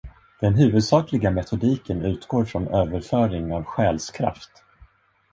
Den huvudsakliga metodiken utgår från överföring av själskraft.